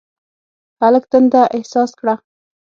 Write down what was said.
هلک تنده احساس کړه.